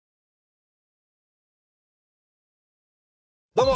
どうも！